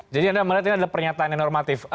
jadi anda melihat ini adalah pernyataan yang normatif